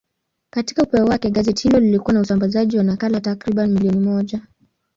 Katika upeo wake, gazeti hilo lilikuwa na usambazaji wa nakala takriban milioni moja.